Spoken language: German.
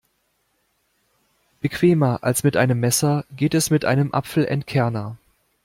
Bequemer als mit einem Messer geht es mit einem Apfelentkerner.